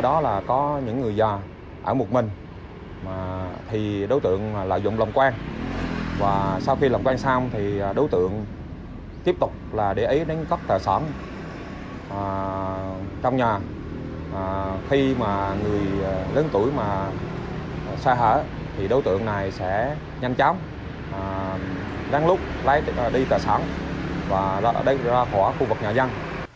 đối tượng này sẽ nhanh chóng ráng lúc đi cà sẵn và ra khỏi khu vực nhà dân